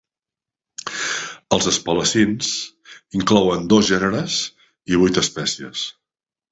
Els espalacins inclouen dos gèneres i vuit espècies.